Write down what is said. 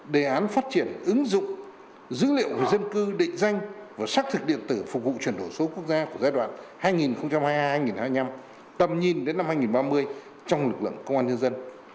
đề án phát triển ứng dụng dữ liệu về dân cư định danh và xác thực điện tử phục vụ chuyển đổi số quốc gia của giai đoạn hai nghìn hai mươi hai hai nghìn hai mươi năm tầm nhìn đến năm hai nghìn ba mươi trong lực lượng công an nhân dân